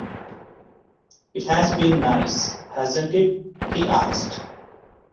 “It has been nice, hasn’t it?” he asked.